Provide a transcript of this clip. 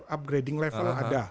upgrading level ada